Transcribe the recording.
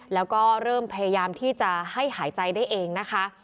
แล้วก็เริ่มพยายามที่จะให้หายใจได้เองนะคะ